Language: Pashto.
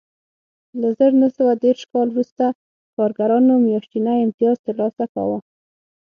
له زر نه سوه دېرش کال وروسته کارګرانو میاشتنی امتیاز ترلاسه کاوه